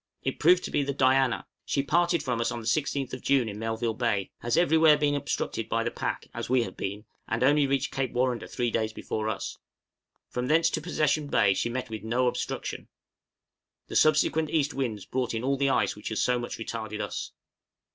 It proved to be the 'Diana;' she parted from us on the 16th of June in Melville Bay, has everywhere been obstructed by the pack, as we have been, and only reached Cape Warrender three days before us. From thence to Possession Bay she met with no obstruction. The subsequent east winds brought in all the ice which has so much retarded us.